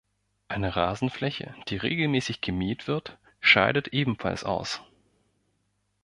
Eine Rasenfläche, die regelmäßig gemäht wird, scheidet ebenfalls aus.